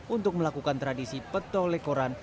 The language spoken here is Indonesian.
untuk melakukan tradisi petolekoran